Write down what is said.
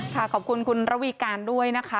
ขอบคุณคุณระวีการด้วยนะคะ